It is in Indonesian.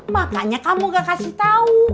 makanya kamu gak kasih tahu